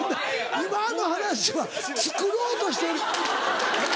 今の話は作ろうとしてる。